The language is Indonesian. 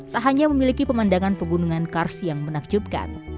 tak hanya memiliki pemandangan pegunungan kars yang menakjubkan